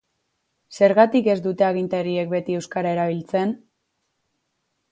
Zergatik ez dute agintariek beti euskara erabiltzen?